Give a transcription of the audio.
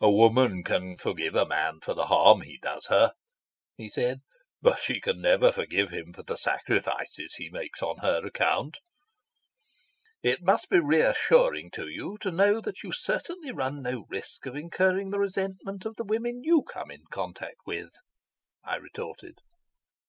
"A woman can forgive a man for the harm he does her," he said, "but she can never forgive him for the sacrifices he makes on her account." "It must be reassuring to you to know that you certainly run no risk of incurring the resentment of the women you come in contact with," I retorted.